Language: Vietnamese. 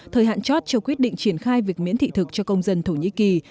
thời hạn chót cho quyết định triển khai việc miễn thị thực cho công dân thổ nhĩ kỳ